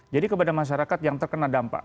jadi kepada masyarakat yang terkena dampak